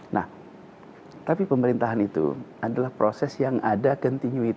nah tapi pemerintahan itu adalah proses yang ada continuity